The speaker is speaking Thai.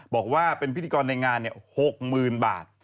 บอกว่าเป็นพิธีกรในงาน๖๐๐๐บาท